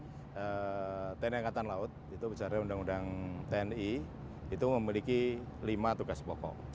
jadi tni angkatan laut itu bicara undang undang tni itu memiliki lima tugas pokok